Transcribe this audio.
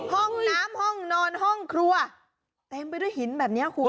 ห้องน้ำห้องนอนห้องครัวเต็มไปด้วยหินแบบนี้คุณ